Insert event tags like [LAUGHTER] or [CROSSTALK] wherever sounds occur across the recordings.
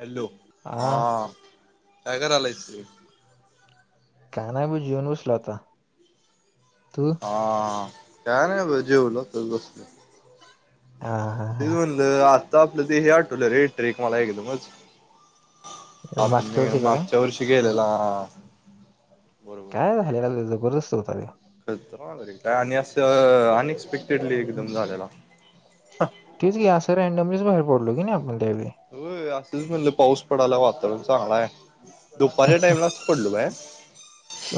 Hello हा आ tiger आलायच इ. का नाही ब जीऊन बसलोता हा काय नाही ब जेवलं त बसल. हा हा तेच हा म्हणलं आता आपलं ते हे आठवलं रे ट्रेक एक मला एकदमच. आपण मागच्या मी वर्षीचा काय मागच्या वर्षी गेलेला हा. काय झालेला जबरदस्त होता ते खर तरय [UNINTELLIGIBLE] आणि असं अनएक्सपेक्ट चिडली एकदम झालेला हा. तेच की असं रॅन्डमलीच बाहेर पडलो की नाही आपण त्यावेळी हो असंच म्हणलं पाऊस पडाला वातावरण चांगलं आहे. दुपारच्या टाईमला पडलो बाहे.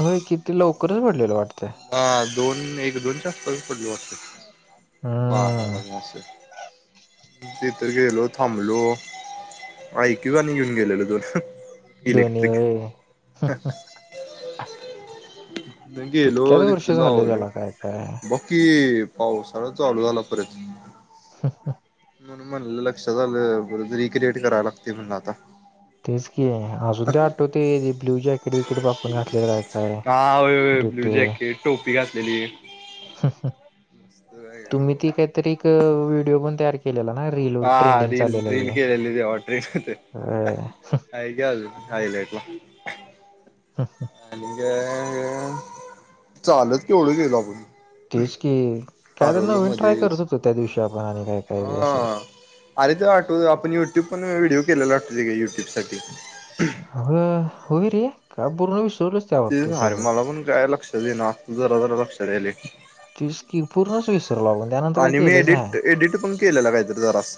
होय किती लवकरच पडलेलं वाटतं. ह दोन एक दोन चस्पास पडले वाटत. बा हम्म लाग अस. तिथं र गेलो थांबलो. ऐकू आणि घेऊन गेलेल दोन दोन्ही इलेक्ट्रिक होय लो कितक्याच वर्ष लाव झालं त्याला काय काय बाकी पावसाळा चालू झाला पर्यत ह ह. म्हण म्हण लक्षात आलं रिक्रिएट करायला लागते म्हणून आता- तेच की अजून ते आठवते की ब्ल्यू जॅकेट विकेट बापून घातलेलं काय काय? हाय हय ब्ल्यू डिटेल जॅकेट टोपी घातलेली. मस्त बॅग आहे तुम्ही हो ती काहीतरी एक व्हिडिओ पण तयार केली. हा रील रील केलेली तेेऑट रिलते होय. हाय गज खयलय आणि ग चालत केवढं गेलो आपण तेच की काय तर हरवलो नवीन ट्राय करत मध्येच होतो त्या दिवशी आपण आणि काय काय असं हा अरे त वाटव आपण युट्यूब पण व्हिडिओ केलेला वाटतो त युट्यूब साठी अ होई रे का पूर्ण विष ते अरे मला पण काय लक्ष देणा तू जरा जरा लक्ष द्यायल तेच की पूर्णच विष आणि मी एडिट एडिट पण केलेला काहीतरी जरा अस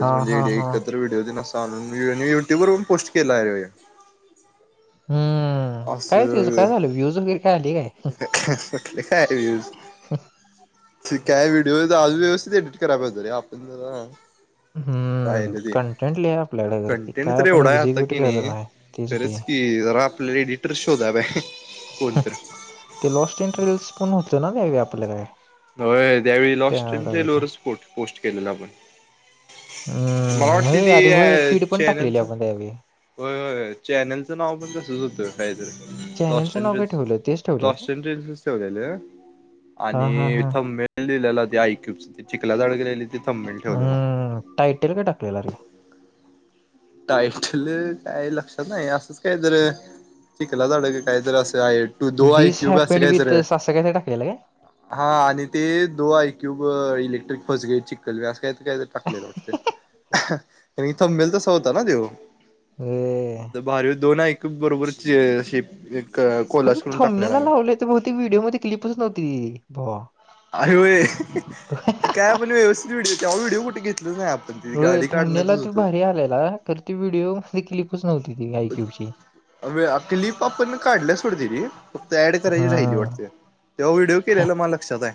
हा हा म्हणजे हा एकत्र व्हिडिओ तेन नसत अन मी युट्यूब वर पण पोस्ट केला आय रे हम्म काय तचं असं काय झालं व्ह्यूज वगैरे काय आली काय कुठले काय व्ह्यूज ह काय व्हिडिओ अज व्यवस्थित एडिट कराय पाहिजे रे आपण जरा हम्म हम् राहिलं ते कंटेंट लि आपल्यालागर त कंटेंट काय तर आपण एवढा आहे आता एक्झिक्युट की करत नाही आह तीच की खरंच जरा आपल्याला एडिटर शोधाय पाहिजे ते कोणतर [UNINTELLIGIBLE] पण हो ना नाही व्यापल्याले का होय त्यावेळी लॉस्टन लोवरच फोटो पोस्ट केलेलो आपण मला हम्म वाटते होय, अरे होय ती फीड पण टाकलेली चेन्यानचां आपण त्यावेळी होय होय चॅनलचं नाव पण तसंच होतंनाकाहीतरी लॉस चॅनेलचं नाव काय एंजेल्स ठेवलं तेच ठेवले लॉस काय? एंजेल्स ठेवलेले हा आणि हा हा इथं मेळ दिलेला ते आईक्यूब चिखलात अडकल्यालीत केलेली हम् टाईटेल काय टाकलेलं रे टायटल काय लक्षात नाही असंच काय तर चिकला झाड काय तर असं टू दो दिस ऐक्यूब असं हॅपेंड विथ काहीतर सासं काय टाकलेलं काय हा आणि ते दो आयक्यूब इलेक्ट्रिक फसगे चिककल अस काही काय टाकलेलं वाटते आणि थांबेल तसा होता ना ए, ते बारी दोन आयक्यू खूप बरोबरची खर त थांबण्याला लावलेली बहुतेक व्हिडिओ मध्ये क्लिपच नव्हती भावा अरे होय ते काय आपण व्यवस्थित व्हिडिओ तेव्हा व्हिडिओ कुठे घेतलंच नाही आपण ती र गाडी थांबलेला त काढण्यातच होतो भारी आलेयला तर त व्हिडिओ मध्ये क्लिप ये आईक्क्यू अ अख लिप आपण काढल्या सोडते फक्त ऍड करायची हा राहिली वाटते तेव्हा व्हिडिओ केलेला मला लक्षात आहे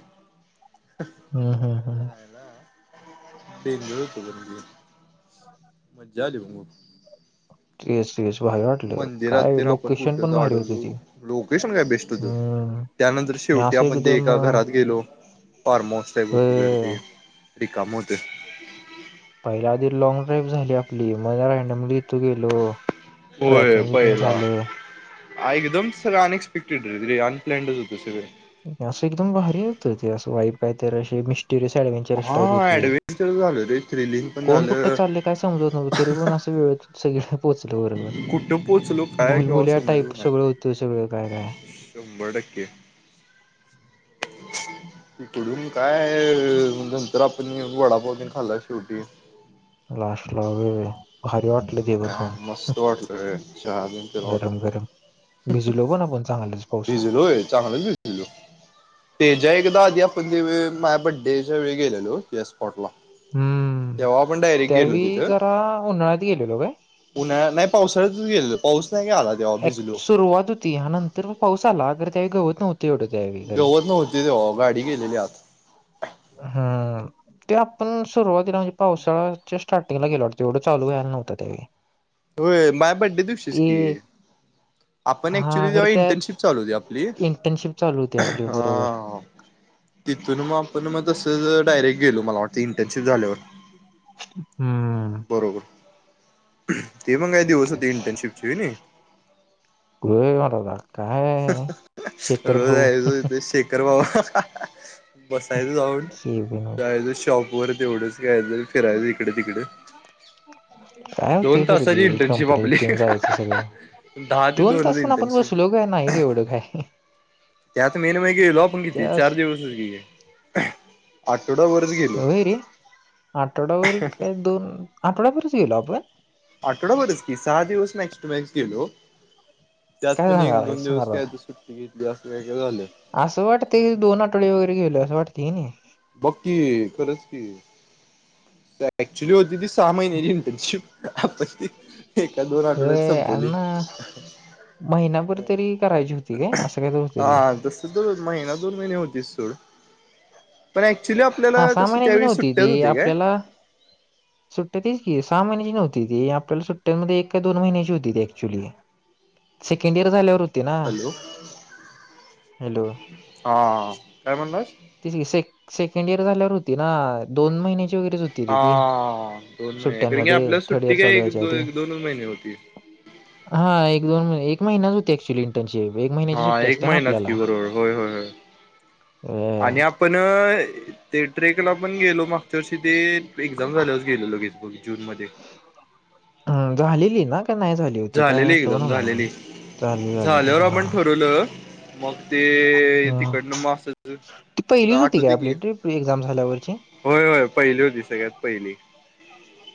ह हम्म हम्म हम्म. आईला डेंजर होत बघ हे मज्जा आली मग तेच तेच भारी वाटलं मंदिरात काय तर आपण लोकेशन कुठेच पण भारी होती अडवलो ती लोकेशन काय बेस्ट होतं हम्म त्यानंतर आणि शेवटी असं आपण ते एकदम एका अं, घरात गेलो फार्म हाऊस टाईप होत घर ते होय रिकाम होत पहिल्या आधी लँग ड्राईव्ह झाली आपली मग रान्डोम्ली इथ गेलो होय ट्रॅकिंग बिकिंग पहिला झालं एकदम सगळं अनएक्सपेक्टेड अनप्लॅडच होत सगळं असं एकदम भारी होत ते असं वाइब काय तर असे मि रस ॲडव्हेंचरस हा टाईप होती ऍडव्हेंचर झालं रे थ्रिलिंग पण कोण कुठ झालं चालले काय समजत नव्हत तरी पण असं ळ सगळ पोचलं बरोबर कुठं पोहोचलो काय केव्हा भुलभुल्या टाईप समजलं नाही. सगळं होतं सगळं काय काय शंभर टक्के इकडून काय नंतर आपण वडापाव तेन खाल्ला शेवटी लास्टला वेळ भारी वा मस्त वाटलं रे चहा तेन पिला गरम गरम वाटतं. भिजलो पण आपण चांगलंच पावसात भिजलोय चांगलच भिजलोय तेज्या एकदा आधी पण ते माझ्या बड्डेच्या वेळी गेलेलो या स्पॉट ला हम्म तेव्हा आपण डायरेक्ट गेलो त्यावेळी तिथं जरा उन्हाळ्यात गेलेलो काय पुन्हा नाही पावसाळ्यातच गेलो. एक सुरुवात होती हा नंतर मग पाऊस आला अगर त्यावेळी गवत तेवढं त्यावेळी खरं आहे गवत नव्हती तेव्हा गाडी गेलेली आत हा ते आपण सुरुवातीला म्हणजे पावसाळच्या स्टार्टिंगला गेलो वाटतं तेवढं चालू व्हायला नव्हतं त्यावेळी होय माझ्या बड्डे दिवशीस ते की आपण हा ऍक्च्युली खर जेव्हा त्यात इंटर्नशिप चालू होती आपली इंटर्नशिप चालू होती आपली हा बरोबर तिथून मग आपण मग तस डायरेक्ट गेलो मला वाटंत इंटर्नशिप झाल्यावर हम्म बरोबर ते पण काय दिवस होते इंटर्नशिपची होय नाई. होय मर्दा. रोज जायाचं तो शेखर बाबा बसायचं जाऊन केविन जायचं शॉप वर तेवढंच काय तरी फिरायच इकड काय होते दोन खरेदी तासाची इंटर्नशिप कंपनी आपली जायचं सगळं. दहा ते दोन दोनच तास पण आपण इंटर्नशिप बसलो काय नाही एवढं काय. त्यात मेन म गेलो आपण किती त्यास चार दिवसच गे. वैरे आठवड्यावरर काय दोन आठवड्यावरच गेलो आपण. आठवडाभरच की सहा दिवस नेक्स्ट मॅच गेलो. त्यात काय पण एक दोन सांगालायस दिवस मला काय त सुट्टी घेतली अस असं वाटत दोन आठवडे वगैरे गेले असं वाटते. बघकी खरच की ऍक्च्युली होती ती सहा महिन्याची इंटर्नशिप. आपण एका दोन आठवड्यात होय संपवली. अण्णा महिनाभर तरी करायची होती काय असं काय तर होतं हा की तस तर महिना दोन महिने होतीस. पण ऍक्च्युली हा आपल्याला सहा तस महिन्याची त्यावेळी नव्हती सुट्ट्याच ती होते काय? आपल्याला सुट्ट्या तच की सहा महिन्याची नव्हती ती आपल्याला सुट्ट्यांमध्ये एक का दोन महिन्याची होती ती ऍक्च्युली. सेकंड इयर झाल्यावर होती ना हॅलो हॅलो! हा काय म्हणलास? तीच की से सेकंड इयर झाल्यावर होती ना दोन महिन्याची वगैरेच होती रे ती हा दोन महिणे सुट्ट्यांमध्ये आपल्या थर्ड सुट्टी इयर काय चालू एक व्हायच्या आधी दोन दोन दोन महिने होती. हा एक दोन एक महिनाच होते ऍक्च्युली. त्यांची एक महिन्याची हा सुट्टी एक असते ना महिनाच की आपल्याला. बरोबर होय होय होय ए, आणि आपण ते ट्रेक ला पण गेलो मागच्यावर्षी ते एक्झाम झालच गेलो लगेच जून मध्ये. हम्म, झालेली ना का नाही झाली होती काय झालेली आठवना एक्झाम मला झालेली झाले झाले. झाल्यावर आपण ठरवलं मग ते तिकडनं मास् ती पहिलीच होती काय आठवते की. आपली ट्रिप एक्झाम झाल्यावरची होय होय पहिली होती सगळ्यात पहिली.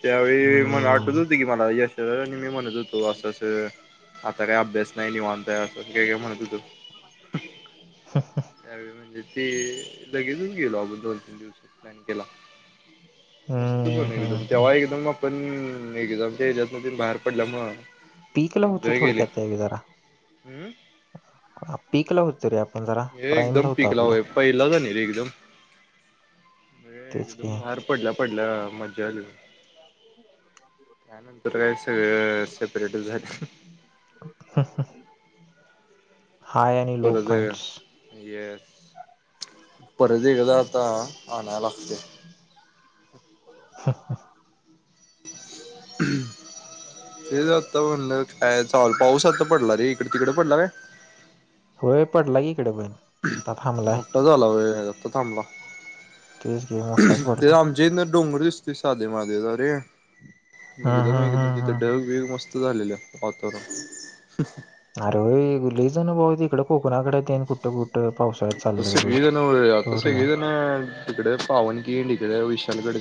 त्यावेळी मग हम्म आठवत होती की मला ऐश्वर्याआणि मी म्हणत होते तो असं अस आता काय अभ्यास नाही निवांत आहे. पण काय काय म्हणत होत यावेळी म्हणजे. ते लगेचून गेलो अगून दोन तीन दिवस प्लॅन केला. मस्त हम्म पण हम्म एकदम हम्म. तेव्हा एकदम. पण एक्झामच्या याच्यातमध बाहेर पडल्यामु पीकला होतो थोडक्याता जरा हम्म पीकला होतो रे आप हे एकदम पीकलावय पहिला झा एकदम तेच की एकदम बाहेर पडल्या पडल्या मज्जा आली. हम् तर काही सगळं सेपरेट झालं. ह ह परत पॉइंट्स आहे येस. परत एक एकदा आता आणाय लागते. ह हम् हे आता म्हणल काय चाल पाऊस आता पडला रे इकडे तिकडे पडला होय. होय पटला की इकडे बण. मोठा झाला वेळत थांबला. तेच की मोठाच ते पडला आमचे इथ. डोंगर दिसते साधे माधे तर रे हम्म एकदम हम्म एकदम हम्म तिथं हम्म ढग बग मस्त. झालेल्या वातावरण. अरेलीज अनुभव इकडे कोकणाकडे येन कुठं कुठं. पावसाळ्यात तस चाललंय बघ क जण त तर स क जण तिकडे पावन खिंड तिकडे विशालगड.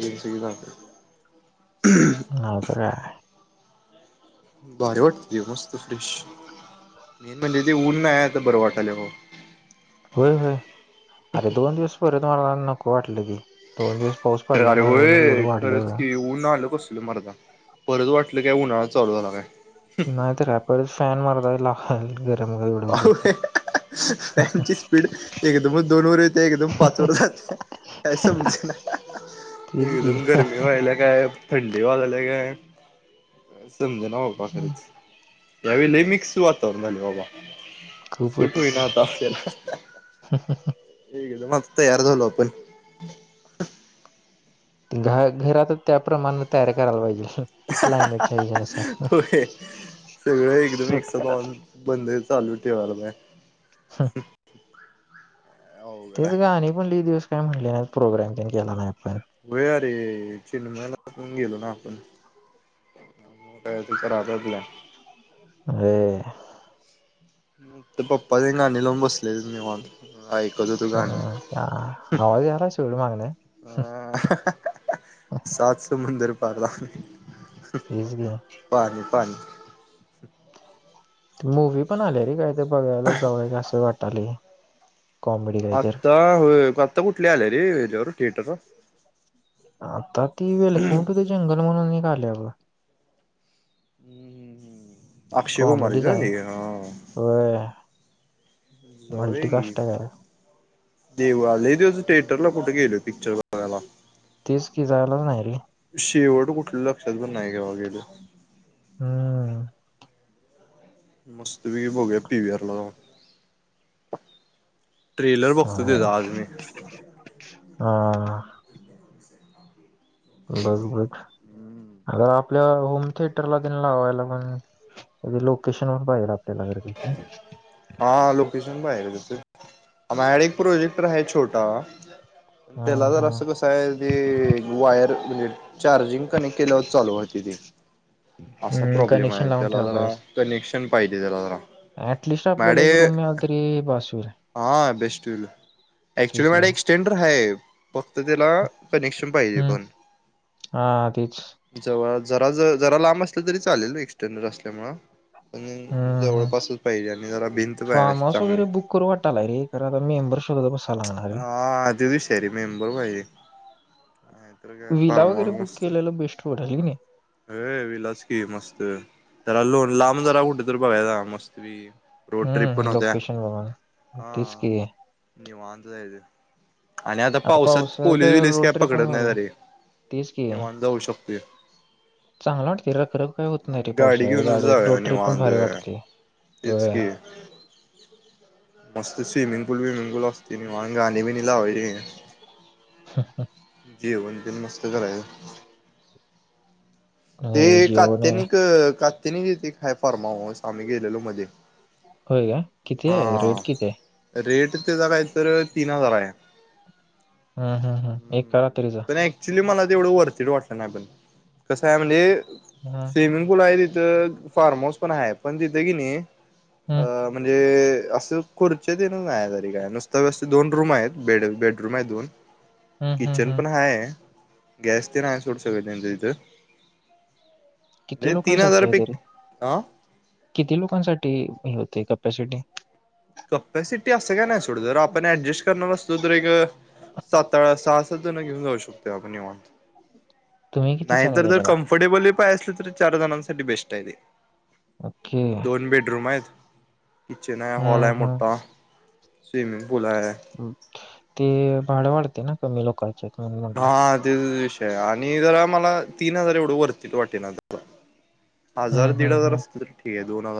[UNINTELLIGIBLE] हा बारी वाट मस्त फ्रेश. मेन म्हणजे ते ऊन नाही आहे आता बरं वाटलंय बाबा होय होय अरे दोन दिवस परत मला नको वाटलं ते दोन दिवस पाऊस तर पडला अरे नाही ऊन एवढं होय खरंच वाढलं की ऊन आलं कस लं मर्दा परत वाटलं काय उन्हाळाच चालू झाला काय नाही तर काय परत फॅन मर्दा लागल गरमच एवढं होत जातंय त्यांची स्पीड एकदमच दोन वर येत्या एकदम पाच वर जात्या काय समजेना तेच की एकदम गरमी व्हायल्या काय थंडी वाजाल्या काय समजना बाबा खरंच यावेळी लैई मिक्स वातावरण झालंय बाबा सुट हुईना खूपच आता ला एकदम तयार झालो आपण घ घरातच त्याप्रमाणं तयार करायला पाहिजे क्लायमेटच्या हेज्यानुसार होय सगळं एकदम एकसात ऑन बंद चालू ठेवायला पाहिजे हम्म अवघड तेच आहे गाणी पण लैई दिवस काय म्हणाल्यात प्रोग्राम तेन केला नाही आपण होय अरे चिन्मयला पण गेलो ना आपण मोठ त कराब आपल्या व्हय ते पप्पातेन गाणी लावून बसलेलीत निवांत ऐकत होतो गाणी हम आवाज यालाय सोड मागणं अ सात समुंदर पार लागलंय तेच की पाणी मूव्ही पण आल्या रे काय तर बघायला जाऊया काय असं वाटालय कॉमेडी काय तर आत्ता होय आत्ता कुठली आल्या रे हेच्यायावर थिएटरवर आत्ता ती वेलकम टू द जंगल म्हणून एक आल्या बघ हम्म अक्षय कुमारची कॉमेडीच होय आहे नी हां होय जाऊया की मल्टीकास्ट आहे काय देवा लैई दिवस थे टरला कुठे गेलोय पिक्चर बघायला तेच की जायलाच नाही रे शेवट कुठलं लक्षात पण नाही कवा गेलं हम्म मस्तपैकी बघूया पीव्हीआरला जाऊन ट्रेलर बघतो काय तेचा आज मी हा बघ बघ खरं आप आपल्या होम थिएटरला तेन लावायला म्हण म्हणजे लोकेशनपण पाहिजे आपल्याला जर ते हा लोकेशन पाहिजे रे तसं माझ्याकडं एक प्रोजेक्टर आहे छोटा हा तेला हा जरासं कसं आहे ते वायर म्हणजे चार्जिंग कनेक्ट केल्यावरच चालू होतंय ते असा प्रॉब्लेम कनेक्शन आहे लावून त्याला ठेवायला जरा पाहिजे कनेक्शन पाहिजे त्याला जरा ऍटलिस्ट आपल्याला मॅडे एक रूम मिळाली तरी बास होणाराय हा बेस्ट होईल ऍक्चुली माझ्याकडं घ्या एक्सटेंडर हाय फक्त त्याला कनेक्शन पाहिजे हम्म पण हा तेच जवळ जरा ज जरा लांब असलं तरी चालेल एक्स्टेंडर असल्यामुळं पण हम्म हम्म जवळपासच पाहिजे आणि जरा भिंत फार्म पाहिजे हाऊस चांगली वगैरे बुक करू वाटायला रे कारण आता मेंबर शोधत बसायला लागणार रे हा तोच विषय आहे रे मेंबर पाहिजे नाहीतर काय व्हिला वगैरे बुक केलेलं बेस्ट वाटालंय कनी ए व्हिलाच की मस्त जरा लोण लांब जरा कुठं तरी बघायचं बाबा मस्तपैकी रोड ट्रिप पण हम्म होते लोकेशन बघून हा तेच की निवांत जायचं आणि आता पावसात पावसाळ्यात पोलीस विलीस रोड काय ट्रिप पण पकडत नाही भारी तरी तेच निेवान जाऊ शकतोय पपपपपपचांगल वाटतय रखरख काय होत नाही आणि रे गाडी पावसाळ्यात घेऊन जाऊया रोड ट्रिप पण निवांत भारी वाटते तेच होय की मस्त स्विमिंग पूल विमिंग पूल असते निवांत म्ह गाणी बी नि लावा जेवण तेन मस्त करायचं हा माय जिओ वर त्यांनी क त्यांनीेते खा फार्म हाऊस आम्ही गेलेलो मध्ये होय का? किती आहे? रेट हा किती आहे? रेट काय तर तीन हजार आहे हम् हम् हम एक क पण ऍक्च्युली मला ते एवढं वरतीड वाटलं नाही पण कस आहे म्हणजे हं, स्विमिंग पूल आहे तिथ तथ फारम हऊस पण आहे पण तिथे की नाही हं, म्हणजे असं खुर्चे देण नाही तरी काय नुसत व्य दोन रूम आहेत बेड बेडरूम आहेत दोन हम् हम्म हम्म काय गॅस ते नाआहे सोड सगळ त्यांच तिथ किती लोकांसाठी आहे घरीे किती लोकांसाठी होत ते कॅपॅसिटी कपॅसिटी असं का नाही सडं जर आपण ऍडजस्ट करणार असतो तर एक सात सहा सात जण घेऊन जाऊ शकतो आपण निवांत तुम्ही किती नाही जण तर तर गेलेला? कम्फर्टेबल पाय असले तरी चार जणांसाठी बेस्ट आहे ते ओके. दोन बेडरूम आहेत किचन हाय हॉल हाय हं, हं. मोठास्विविमिंग पूल ह ते भाड वाढते ना कमी लोकांच्या हा ते आणि जरा मला तीन हजार एवढं वरती वाटे ना हजार हं, दीड हं, हजार हं. असतील तर ठीक आहे दोन हजार